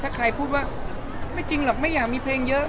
ถ้าใครพูดว่าไม่จริงหรอกไม่อยากมีเพลงเยอะ